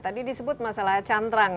tadi disebut masalah cantrang